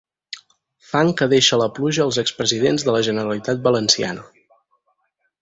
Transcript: Fang que deixa la pluja als expresidents de la Generalitat valenciana.